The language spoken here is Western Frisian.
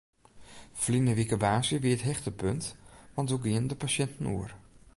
Ferline wike woansdei wie it hichtepunt want doe gienen de pasjinten oer.